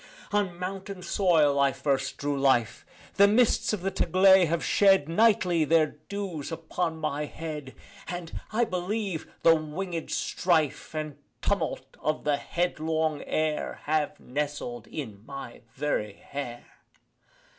On mountain soil I first drew life: The mists of the Taglay have shed Nightly their dews upon my head, And, I believe, the wingèd strife And tumult of the headlong air Have nestled in my very hair.